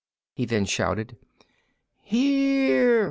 he then shouted. "Here!"